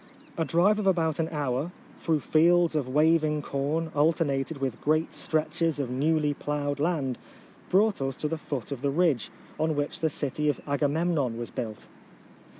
A drive of about an hour, through fields of waving corn alternated with great stretches of newly ploughed land, brought us to the foot of the ridge on which the city of Agamem non was built.